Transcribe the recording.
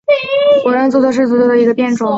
五人足球是足球的一个变种。